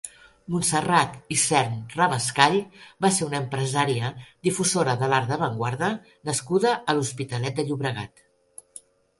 Montserrat Isern Rabascall va ser una empresària difusora de l'art d'avantguarda nascuda a l'Hospitalet de Llobregat.